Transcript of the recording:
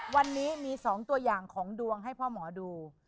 วันนี้มี๒ตัวอย่างของดวงให้พ่อหมอดู